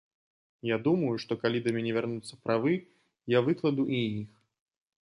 Я думаю, што калі да мяне вярнуцца правы, я выкладу і іх.